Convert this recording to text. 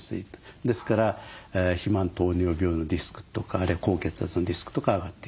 ですから肥満糖尿病のリスクとかあるいは高血圧のリスクとか上がってきます。